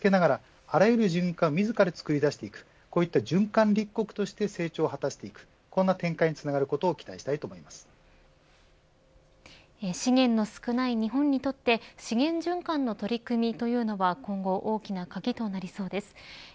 これから日本が、地域とグローバルを結び付けながらあらゆる循環を自ら作り出していくこうした循環立国として成長を果たしていく、こんな資源の少ない日本にとって資源循環の取り組みというのは今後、大きな鍵となりそうです。